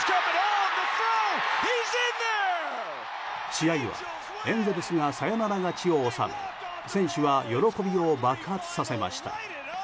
試合はエンゼルスがサヨナラ勝ちを収め選手は喜びを爆発させました。